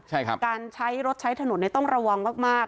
ใช่ครับการใช้รถใช้ถนนต้องระวังมากมาก